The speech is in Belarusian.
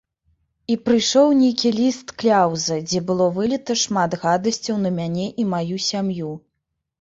І прыйшоў нейкі ліст-кляўза, дзе было выліта шмат гадасцяў на мяне і маю сям'ю.